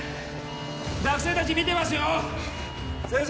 学生達見てますよ先生！